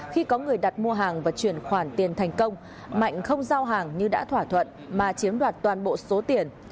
khi có người đặt mua hàng và chuyển khoản tiền thành công mạnh không giao hàng như đã thỏa thuận mà chiếm đoạt toàn bộ số tiền